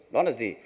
đó là gì